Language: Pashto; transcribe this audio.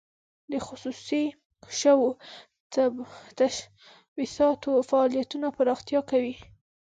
د خصوصي شوو تشبثاتو فعالیتونه پراختیا کوي.